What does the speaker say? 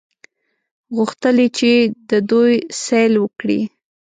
غوښتل یې چې د دوی سیل وکړي.